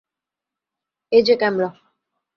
এই যে ক্যামেরা।